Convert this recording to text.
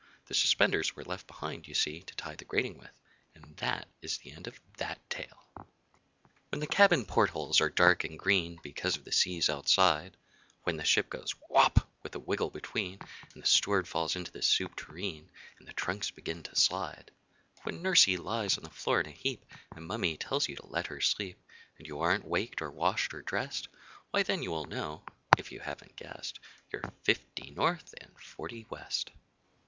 The suspenders were left behind, you see, to tie the grating with; and that is the end of that tale. WHEN the cabin port holes are dark and green Because of the seas outside; When the ship goes wop (with a wiggle between) And the steward falls into the soup tureen, And the trunks begin to slide; When Nursey lies on the floor in a heap, And Mummy tells you to let her sleep, And you aren't waked or washed or dressed, Why, then you will know (if you haven't guessed) You're 'Fifty North and Forty West!